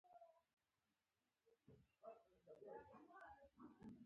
د چارمغز ګل د توروالي لپاره وکاروئ